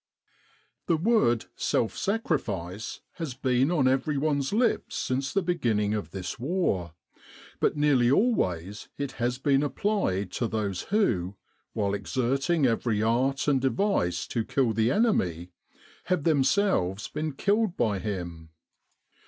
The word self sacrifice has been on everyone's lips since the beginning of this war; but nearly always it has been applied to those who, while exerting every art and device to kill the enemy, have them 58 "The Long, Long Way to Achi Baba" selves been killed by him.